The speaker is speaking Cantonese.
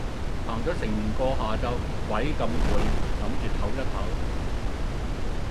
行咗成個下晝鬼咁攰諗住抖一抖